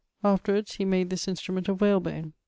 Afterwards he made this instrument of whale bone.